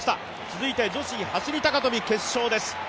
続いて女子走高跳決勝です。